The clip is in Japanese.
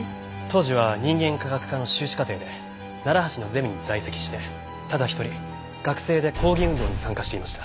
当時は人間科学科の修士課程で楢橋のゼミに在籍してただ一人学生で抗議運動に参加していました。